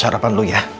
sarapan lu ya